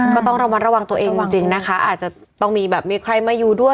ก็ต้องระมัดระวังตัวเองจริงนะคะอาจจะต้องมีแบบมีใครมาอยู่ด้วย